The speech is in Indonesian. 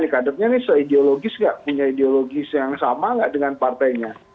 kadernya ini seideologis nggak punya ideologis yang sama nggak dengan partainya